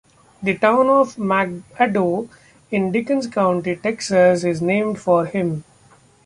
The town of McAdoo in Dickens County, Texas, is named for him.